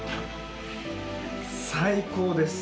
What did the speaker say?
最高です。